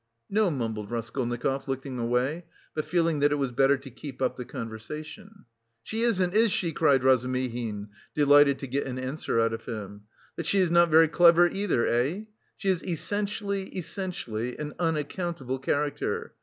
"No," mumbled Raskolnikov, looking away, but feeling that it was better to keep up the conversation. "She isn't, is she?" cried Razumihin, delighted to get an answer out of him. "But she is not very clever either, eh? She is essentially, essentially an unaccountable character!